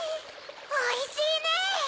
おいしいね！